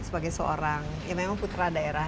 sebagai seorang ya memang putra daerah